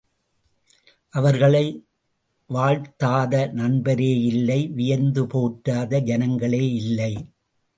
அவர்களை வாழ்த்தாத நண்பரேயில்லை வியந்து போற்றாத ஜனங்களேயில்லை.